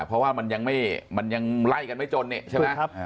เพราะว่ามันยังไล่กันไม่จนเนี่ยใช่ไหม